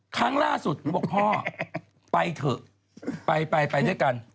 ครั้งล่าสุดหนูบอกพ่อไปเถอะไปไปด้วยกัน